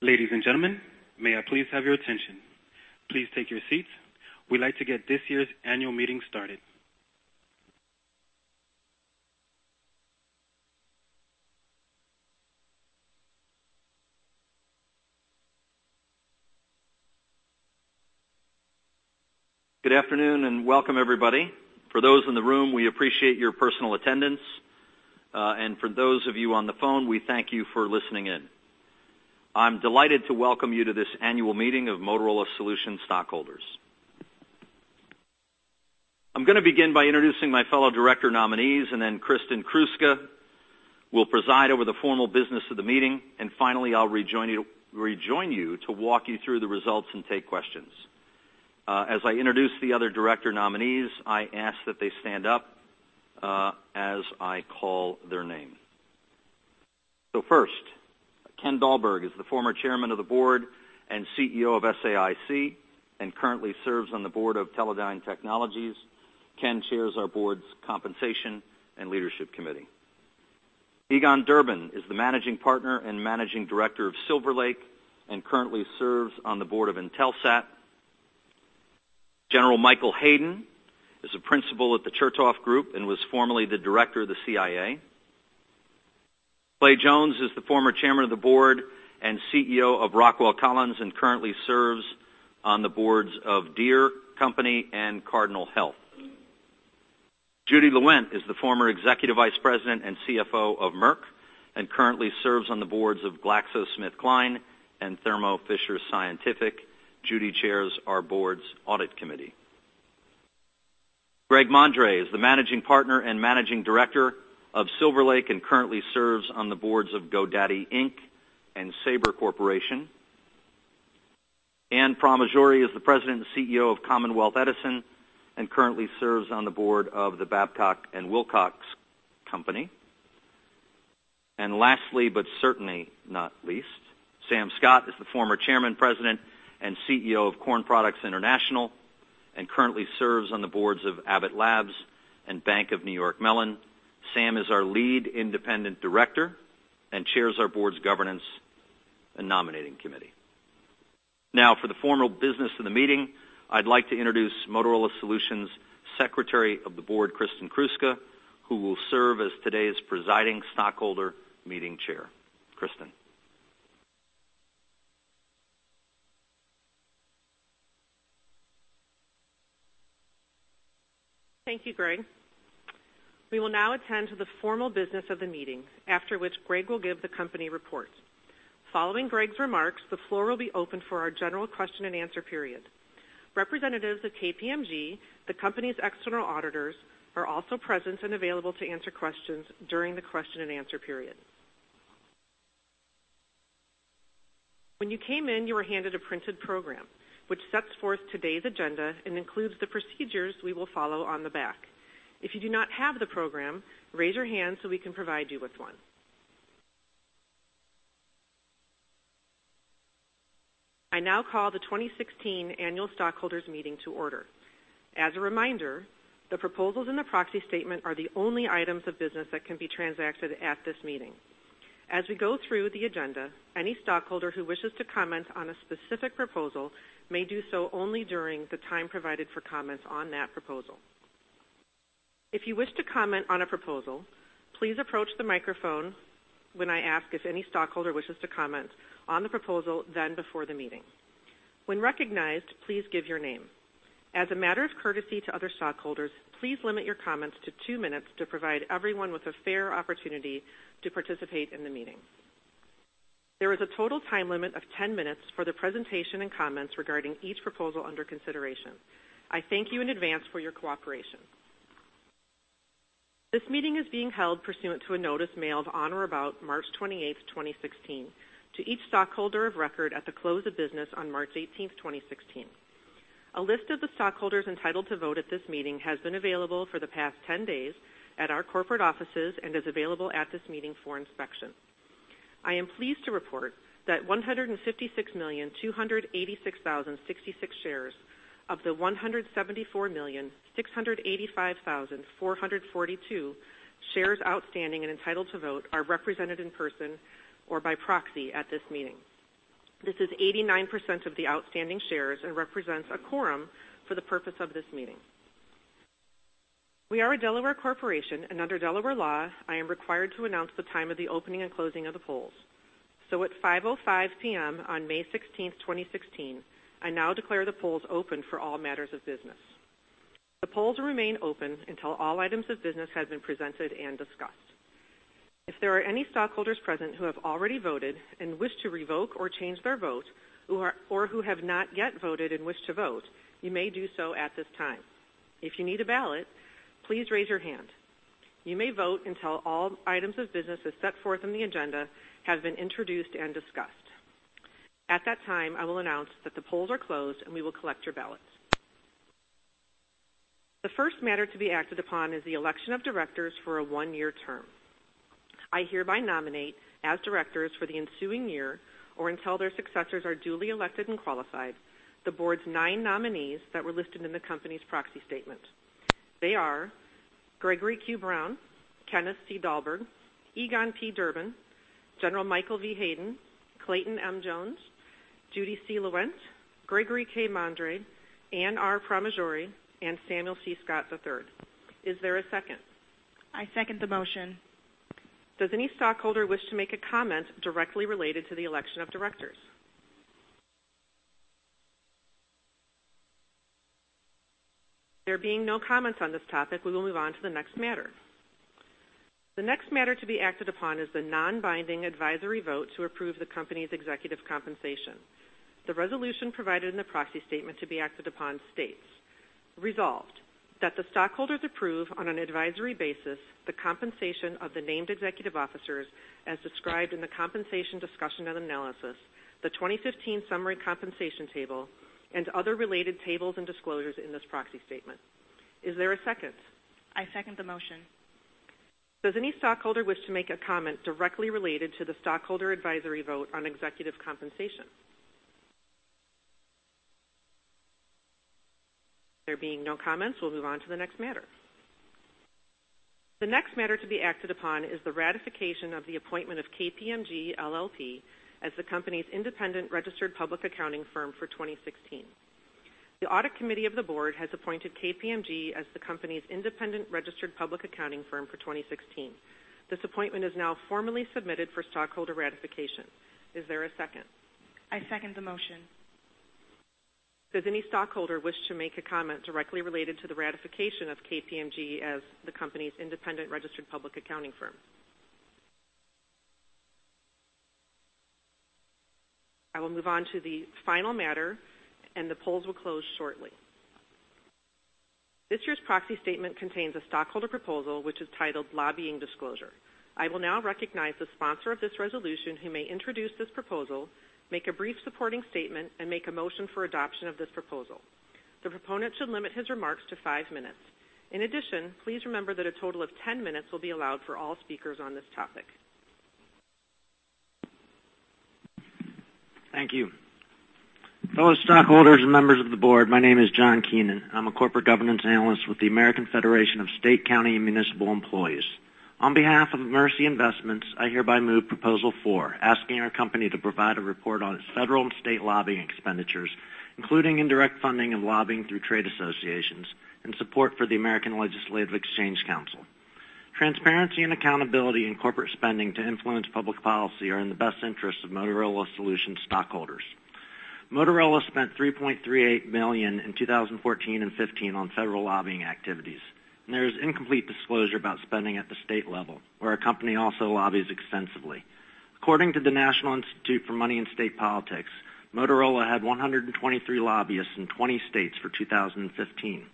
Ladies and gentlemen, may I please have your attention? Please take your seats. We'd like to get this year's annual meeting started. Good afternoon, and welcome, everybody. For those in the room, we appreciate your personal attendance, and for those of you on the phone, we thank you for listening in. I'm delighted to welcome you to this annual meeting of Motorola Solutions stockholders. I'm gonna begin by introducing my fellow director nominees, and then Kristin Kruska will preside over the formal business of the meeting, and finally, I'll rejoin you to walk you through the results and take questions. As I introduce the other director nominees, I ask that they stand up as I call their name. So first, Ken Dahlberg is the former Chairman of the Board and CEO of SAIC, and currently serves on the board of Teledyne Technologies. Ken chairs our board's Compensation and Leadership Committee. Egon P. Durban is the Managing Partner and Managing Director of Silver Lake, and currently serves on the board of Intelsat. General Michael V. Hayden is a principal at The Chertoff Group and was formerly the director of the CIA. Clayton M. Jones is the former Chairman of the Board and CEO of Rockwell Collins, and currently serves on the boards of Deere & Company and Cardinal Health. Judy C. Lewent is the former Executive Vice President and CFO of Merck, and currently serves on the boards of GlaxoSmithKline and Thermo Fisher Scientific. Judy chairs our board's Audit Committee. Gregory K. Mondre is the Managing Partner and Managing Director of Silver Lake, and currently serves on the boards of GoDaddy Inc. and Sabre Corporation. Anne Pramaggiore is the President and CEO of Commonwealth Edison, and currently serves on the board of The Babcock & Wilcox Company. And lastly, but certainly not least, Sam Scott is the former Chairman, President, and CEO of Corn Products International, and currently serves on the boards of Abbott Labs and Bank of New York Mellon. Sam is our lead independent director and chairs our board's Governance and Nominating Committee. Now, for the formal business of the meeting, I'd like to introduce Motorola Solutions Secretary of the Board, Kristin Kruska, who will serve as today's presiding stockholder meeting chair. Kristin? Thank you, Greg. We will now attend to the formal business of the meeting, after which Greg will give the company report. Following Greg's remarks, the floor will be open for our general question-and-answer period. Representatives of KPMG, the company's external auditors, are also present and available to answer questions during the question-and-answer period. When you came in, you were handed a printed program, which sets forth today's agenda and includes the procedures we will follow on the back. If you do not have the program, raise your hand so we can provide you with one. I now call the 2016 Annual Stockholders Meeting to order. As a reminder, the proposals in the Proxy Statement are the only items of business that can be transacted at this meeting. As we go through the agenda, any stockholder who wishes to comment on a specific proposal may do so only during the time provided for comments on that proposal. If you wish to comment on a proposal, please approach the microphone when I ask if any stockholder wishes to comment on the proposal then before the meeting. When recognized, please give your name. As a matter of courtesy to other stockholders, please limit your comments to two minutes to provide everyone with a fair opportunity to participate in the meeting. There is a total time limit of 10 minutes for the presentation and comments regarding each proposal under consideration. I thank you in advance for your cooperation. This meeting is being held pursuant to a notice mailed on or about March 28th, 2016, to each stockholder of record at the close of business on March 18th, 2016. A list of the stockholders entitled to vote at this meeting has been available for the past 10 days at our corporate offices and is available at this meeting for inspection. I am pleased to report that 156,286,066 shares of the 174,685,442 shares outstanding and entitled to vote are represented in person or by proxy at this meeting. This is 89% of the outstanding shares and represents a quorum for the purpose of this meeting. We are a Delaware corporation, and under Delaware law, I am required to announce the time of the opening and closing of the polls. So at 5:05 P.M. on May 16th, 2016, I now declare the polls open for all matters of business. The polls remain open until all items of business have been presented and discussed. If there are any stockholders present who have already voted and wish to revoke or change their vote, or who have not yet voted and wish to vote, you may do so at this time. If you need a ballot, please raise your hand. You may vote until all items of business as set forth in the agenda have been introduced and discussed. At that time, I will announce that the polls are closed, and we will collect your ballots. The first matter to be acted upon is the election of directors for a one-year term. I hereby nominate as directors for the ensuing year, or until their successors are duly elected and qualified, the board's nine nominees that were listed in the company's proxy statement.... They are Gregory Q. Brown, Kenneth C. Dahlberg, Egon P. Durban, General Michael V. Hayden, Clayton M. Jones, Judy C. Lewent, Gregory K. Mondre, Anne Pramaggiore, and Samuel C. Scott III. Is there a second? I second the motion. Does any stockholder wish to make a comment directly related to the election of directors? There being no comments on this topic, we will move on to the next matter. The next matter to be acted upon is the non-binding advisory vote to approve the company's executive compensation. The resolution provided in the proxy statement to be acted upon states: Resolved, that the stockholders approve on an advisory basis the compensation of the named executive officers as described in the compensation discussion and analysis, the 2015 summary compensation table, and other related tables and disclosures in this proxy statement. Is there a second? I second the motion. Does any stockholder wish to make a comment directly related to the stockholder advisory vote on executive compensation? There being no comments, we'll move on to the next matter. The next matter to be acted upon is the ratification of the appointment of KPMG LLP as the company's independent registered public accounting firm for 2016. The audit committee of the board has appointed KPMG as the company's independent registered public accounting firm for 2016. This appointment is now formally submitted for stockholder ratification. Is there a second? I second the motion. Does any stockholder wish to make a comment directly related to the ratification of KPMG as the company's independent registered public accounting firm? I will move on to the final matter, and the polls will close shortly. This year's proxy statement contains a stockholder proposal, which is titled Lobbying Disclosure. I will now recognize the sponsor of this resolution, who may introduce this proposal, make a brief supporting statement, and make a motion for adoption of this proposal. The proponent should limit his remarks to five minutes. In addition, please remember that a total of 10 minutes will be allowed for all speakers on this topic. Thank you. Fellow stockholders and members of the board, my name is John Keenan. I'm a corporate governance analyst with the American Federation of State, County, and Municipal Employees. On behalf of Mercy Investments, I hereby move Proposal Four, asking our company to provide a report on its federal and state lobbying expenditures, including indirect funding and lobbying through trade associations and support for the American Legislative Exchange Council. Transparency and accountability in corporate spending to influence public policy are in the best interest of Motorola Solutions stockholders. Motorola spent $3.38 million in 2014 and 2015 on federal lobbying activities, and there is incomplete disclosure about spending at the state level, where our company also lobbies extensively. According to the National Institute on Money in State Politics, Motorola had 123 lobbyists in 20 states for 2015.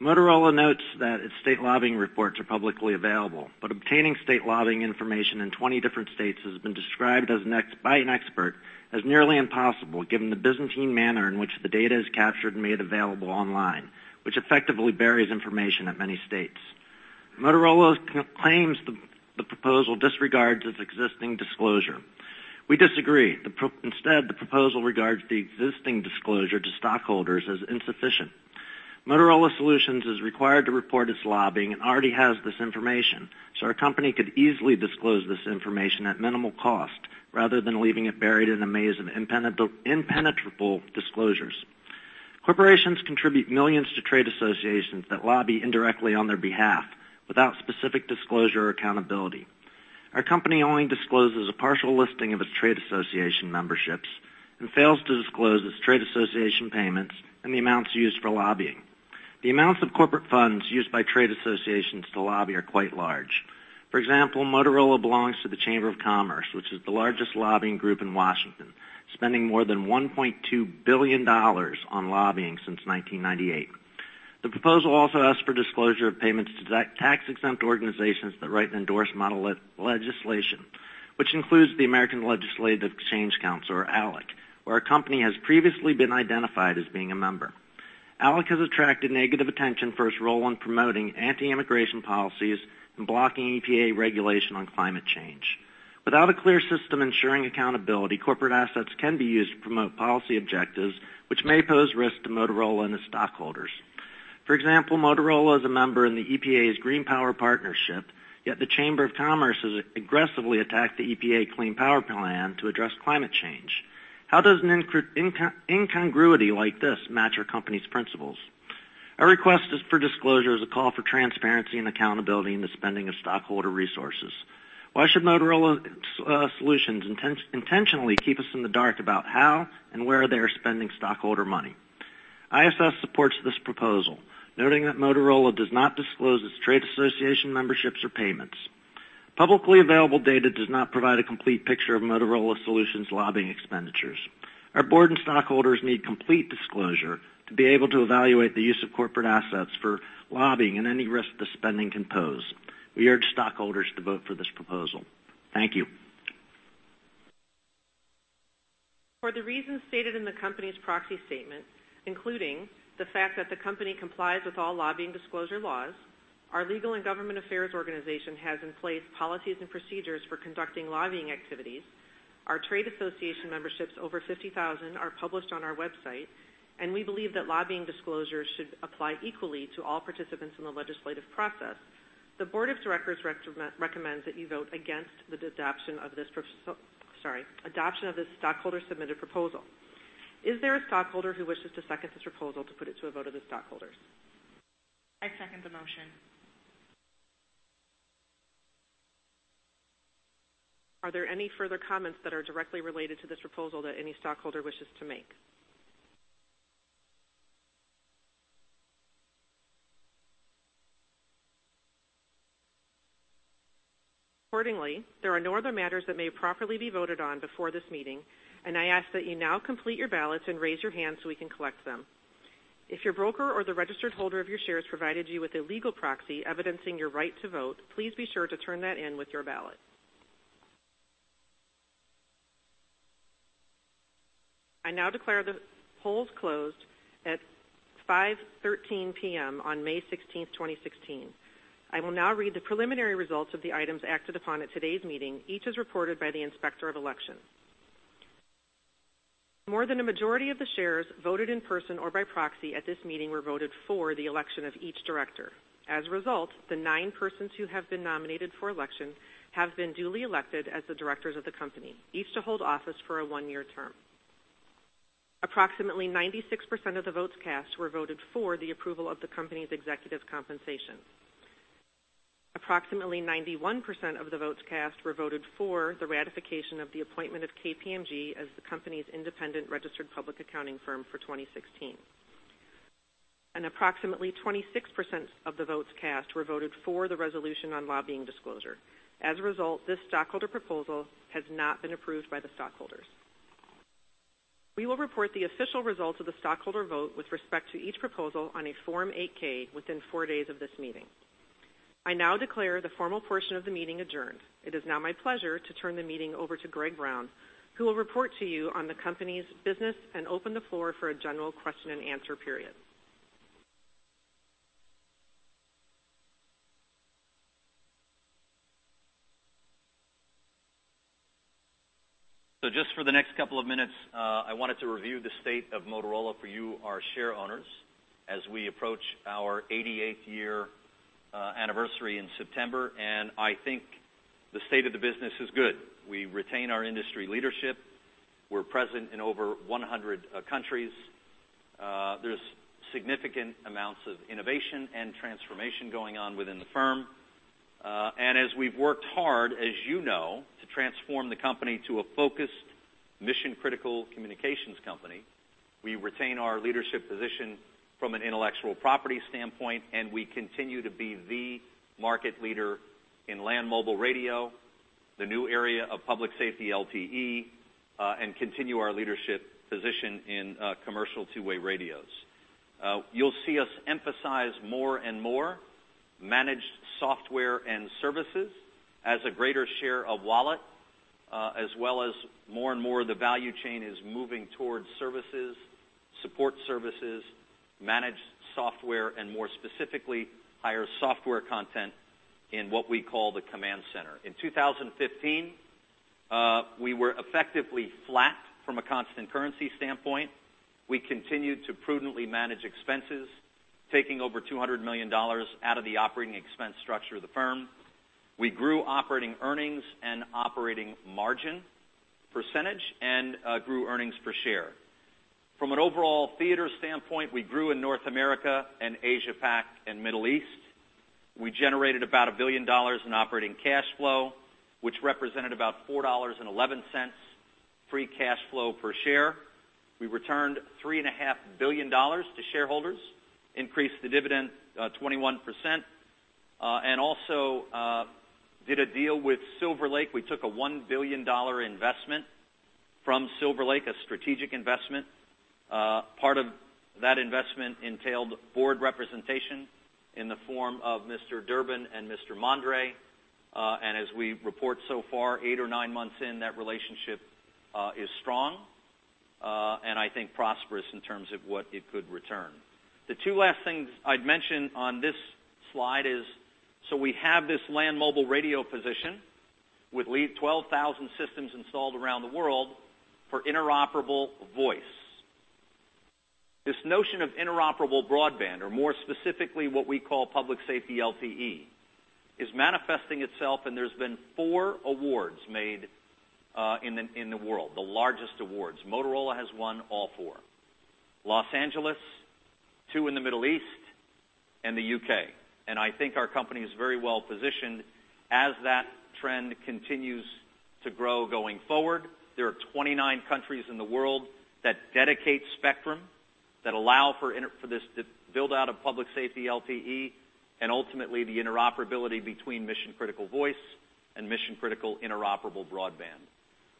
Motorola notes that its state lobbying reports are publicly available, but obtaining state lobbying information in 20 different states has been described as an exercise by an expert as nearly impossible, given the Byzantine manner in which the data is captured and made available online, which effectively buries information in many states. Motorola claims the proposal disregards its existing disclosure. We disagree. The proposal instead regards the existing disclosure to stockholders as insufficient. Motorola Solutions is required to report its lobbying and already has this information, so our company could easily disclose this information at minimal cost, rather than leaving it buried in a maze of impenetrable disclosures. Corporations contribute millions to trade associations that lobby indirectly on their behalf without specific disclosure or accountability. Our company only discloses a partial listing of its trade association memberships and fails to disclose its trade association payments and the amounts used for lobbying. The amounts of corporate funds used by trade associations to lobby are quite large. For example, Motorola belongs to the Chamber of Commerce, which is the largest lobbying group in Washington, spending more than $1.2 billion on lobbying since 1998. The proposal also asks for disclosure of payments to tax-exempt organizations that write and endorse model legislation, which includes the American Legislative Exchange Council, or ALEC, where our company has previously been identified as being a member. ALEC has attracted negative attention for its role in promoting anti-immigration policies and blocking EPA regulation on climate change. Without a clear system ensuring accountability, corporate assets can be used to promote policy objectives, which may pose risks to Motorola and its stockholders. For example, Motorola is a member in the EPA's Green Power Partnership, yet the Chamber of Commerce has aggressively attacked the EPA Clean Power Plan to address climate change. How does an incongruity like this match our company's principles? Our request is for disclosure as a call for transparency and accountability in the spending of stockholder resources. Why should Motorola Solutions intentionally keep us in the dark about how and where they are spending stockholder money? ISS supports this proposal, noting that Motorola does not disclose its trade association memberships or payments. Publicly available data does not provide a complete picture of Motorola Solutions' lobbying expenditures. Our board and stockholders need complete disclosure to be able to evaluate the use of corporate assets for lobbying and any risk the spending can pose. We urge stockholders to vote for this proposal. Thank you. For the reasons stated in the company's proxy statement, including the fact that the company complies with all lobbying disclosure laws. Our legal and government affairs organization has in place policies and procedures for conducting lobbying activities. Our trade association memberships, over 50,000, are published on our website, and we believe that lobbying disclosures should apply equally to all participants in the legislative process. The board of directors recommends that you vote against the adoption of this stockholder-submitted proposal. Sorry, is there a stockholder who wishes to second this proposal to put it to a vote of the stockholders? I second the motion. Are there any further comments that are directly related to this proposal that any stockholder wishes to make? Accordingly, there are no other matters that may properly be voted on before this meeting, and I ask that you now complete your ballots and raise your hands so we can collect them. If your broker or the registered holder of your shares provided you with a legal proxy evidencing your right to vote, please be sure to turn that in with your ballot. I now declare the polls closed at 5:13 P.M. on May 16, 2016. I will now read the preliminary results of the items acted upon at today's meeting, each as reported by the Inspector of Election. More than a majority of the shares voted in person or by proxy at this meeting were voted for the election of each director. As a result, the nine persons who have been nominated for election have been duly elected as the directors of the company, each to hold office for a one-year term. Approximately 96% of the votes cast were voted for the approval of the company's executive compensation. Approximately 91% of the votes cast were voted for the ratification of the appointment of KPMG as the company's independent registered public accounting firm for 2016. Approximately 26% of the votes cast were voted for the resolution on lobbying disclosure. As a result, this stockholder proposal has not been approved by the stockholders. We will report the official results of the stockholder vote with respect to each proposal on a Form 8-K within four days of this meeting. I now declare the formal portion of the meeting adjourned. It is now my pleasure to turn the meeting over to Greg Brown, who will report to you on the company's business and open the floor for a general question-and-answer period. So just for the next couple of minutes, I wanted to review the state of Motorola for you, our shareowners, as we approach our 88th year anniversary in September, and I think the state of the business is good. We retain our industry leadership. We're present in over 100 countries. There's significant amounts of innovation and transformation going on within the firm. And as we've worked hard, as you know, to transform the company to a focused mission-critical communications company, we retain our leadership position from an intellectual property standpoint, and we continue to be the market leader in land mobile radio, the new area of public safety LTE, and continue our leadership position in commercial two-way radios. You'll see us emphasize more and more managed software and services as a greater share of wallet, as well as more and more of the value chain is moving towards services, support services, managed software, and more specifically, higher software content in what we call the command center. In 2015, we were effectively flat from a constant currency standpoint. We continued to prudently manage expenses, taking over $200 million out of the operating expense structure of the firm. We grew operating earnings and operating margin percentage, and grew earnings per share. From an overall theater standpoint, we grew in North America and Asia-Pac and Middle East. We generated about $1 billion in operating cash flow, which represented about $4.11 free cash flow per share. We returned $3.5 billion to shareholders, increased the dividend 21%, and also did a deal with Silver Lake. We took a $1 billion investment from Silver Lake, a strategic investment. Part of that investment entailed board representation in the form of Mr. Durban and Mr. Mondre. And as we report so far, eight or nine months in, that relationship is strong, and I think prosperous in terms of what it could return. The two last things I'd mention on this slide is, so we have this land mobile radio position with 12,000 systems installed around the world for interoperable voice. This notion of interoperable broadband, or more specifically, what we call public safety LTE, is manifesting itself, and there's been 4 awards made, in the world, the largest awards. Motorola has won all four. Los Angeles, two in the Middle East, and the UK, and I think our company is very well positioned as that trend continues to grow going forward. There are 29 countries in the world that dedicate spectrum, that allow for this, the build-out of public safety LTE, and ultimately, the interoperability between mission-critical voice and mission-critical interoperable broadband.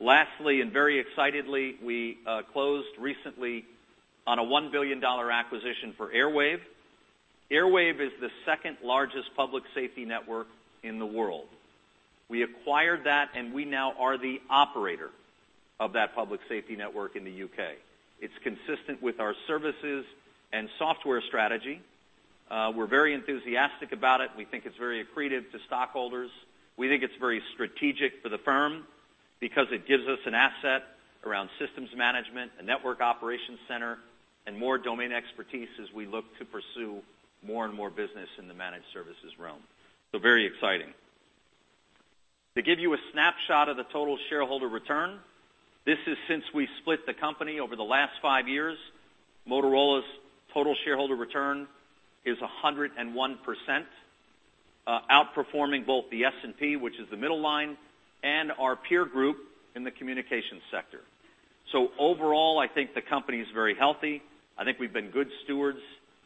Lastly, and very excitedly, we closed recently on a $1 billion acquisition for Airwave. Airwave is the second-largest public safety network in the world. We acquired that, and we now are the operator of that public safety network in the UK. It's consistent with our services and software strategy. We're very enthusiastic about it. We think it's very accretive to stockholders. We think it's very strategic for the firm because it gives us an asset around systems management, a network operations center, and more domain expertise as we look to pursue more and more business in the managed services realm. So very exciting. To give you a snapshot of the total shareholder return, this is since we split the company over the last five years. Motorola's total shareholder return is 101%, outperforming both the S&P, which is the middle line, and our peer group in the communications sector. So overall, I think the company is very healthy. I think we've been good stewards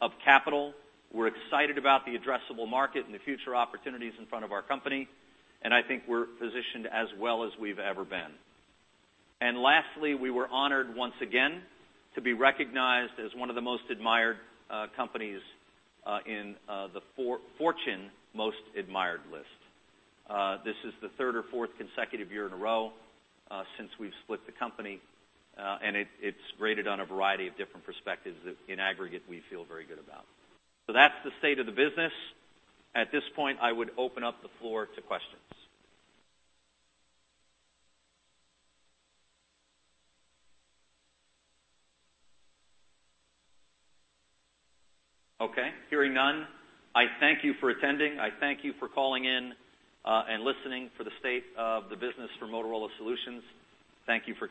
of capital. We're excited about the addressable market and the future opportunities in front of our company, and I think we're positioned as well as we've ever been. Lastly, we were honored once again to be recognized as one of the most admired companies in the Fortune Most Admired list. This is the third or fourth consecutive year in a row since we've split the company, and it's rated on a variety of different perspectives that in aggregate, we feel very good about. So that's the state of the business. At this point, I would open up the floor to questions. Okay, hearing none, I thank you for attending. I thank you for calling in and listening for the state of the business for Motorola Solutions. Thank you for your time.